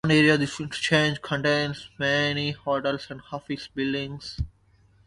The area around this interchange contains many hotels and office buildings.